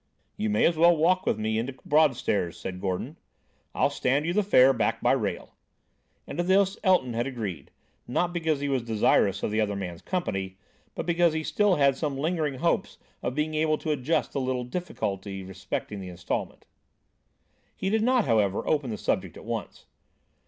"You may as well walk with me into Broadstairs," said Gordon; "I'll stand you the fare back by rail;" and to this Elton had agreed, not because he was desirous of the other man's company, but because he still had some lingering hopes of being able to adjust the little difficulty respecting the instalment. He did not, however, open the subject at once.